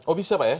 oh bisa pak ya